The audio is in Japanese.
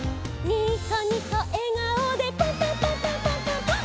「ニコニコえがおでパンパンパンパンパンパンパン！！」